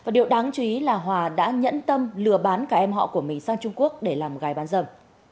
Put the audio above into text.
điều đáng chú ý là hòa đã nhẫn tâm lừa bán cả em họ của mình sang trung quốc để làm gái bán dâm